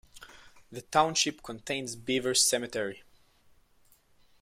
The township contains Beaver Cemetery.